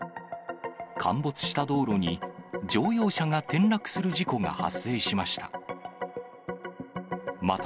陥没した道路に乗用車が転落する事故が発生しました。